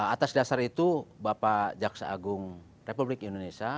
atas dasar itu bapak jaksa agung republik indonesia